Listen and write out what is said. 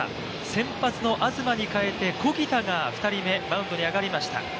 先発の東に代えて小木田が２人目、マウンドに上がりました。